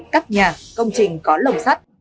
bốn các nhà công trình có lồng sắt